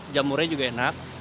jamurnya juga enak